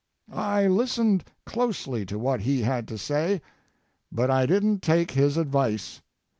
I listened closely to what he had to say, but I didn't take his advice.